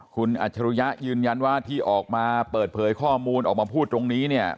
คุณอัจฉริยะยืนยันว่าที่ออกมาเปิดเผยข้อมูลออกมาพูดตรงนี้เนี่ย